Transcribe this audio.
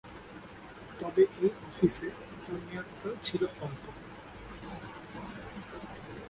তবে এই অফিসে তাঁর মেয়াদ কাল ছিল অল্প।